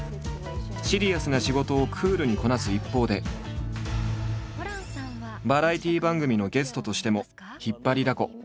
シリアスな仕事をクールにこなす一方でバラエティー番組のゲストとしても引っ張りだこ。